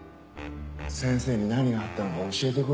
先生に何があったのか教えてくれよ。